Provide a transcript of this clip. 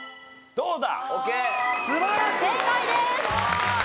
どうだ？